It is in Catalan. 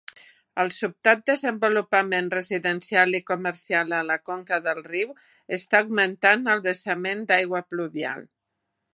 El sobtat desenvolupament residencial i comercial a la conca del riu està augmentant el vessament d'aigua pluvial.